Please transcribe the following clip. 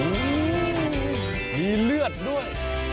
มีเลือดด้วย